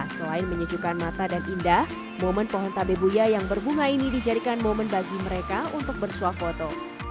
selain menyejukkan mata dan indah momen pohon tabebuya yang berbunga ini dijadikan momen bagi mereka untuk bersuah foto